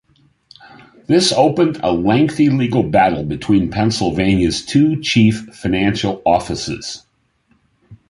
This opened a lengthy legal battle between Pennsylvania's two chief financial offices.